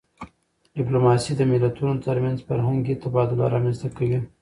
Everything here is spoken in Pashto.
ډيپلوماسي د ملتونو ترمنځ فرهنګي تبادله رامنځته کوي.